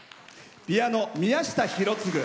ピアノ、宮下博次。